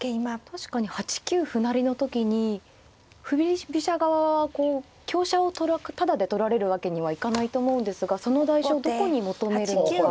確かに８九歩成の時に振り飛車側はこう香車をタダで取られるわけにはいかないと思うんですがその代償をどこに求めるのか。